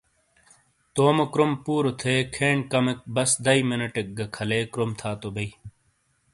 تومو کروم پُورو تھے کھین کمیک بس دئیی مِنٹیک گہ کھَلے کروم تھا تو بئی۔